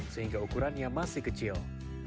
sehingga ukurannya masih kecil